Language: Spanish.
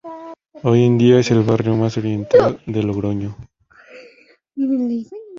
Hoy en día es el barrio más oriental de Logroño.